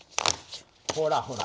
ほらほら